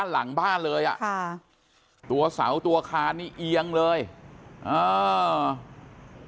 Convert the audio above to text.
หลังบ้านเลยอ่ะค่ะตัวเสาตัวคานนี่เอียงเลยอ่า